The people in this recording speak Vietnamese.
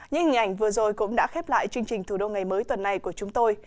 những hình ảnh vừa rồi cũng đã khép lại chương trình thủ đô ngày mới tuần này của chúng tôi